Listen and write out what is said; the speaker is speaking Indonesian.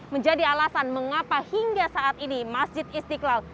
menjadi alasan mengapa hingga saat ini masjid istiqlal